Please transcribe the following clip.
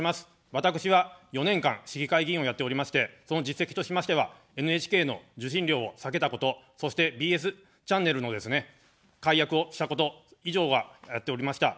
私は４年間、市議会議員をやっておりまして、その実績としましてはＮＨＫの受信料を下げたこと、そしてＢＳチャンネルのですね、解約をしたこと、以上は、やっておりました。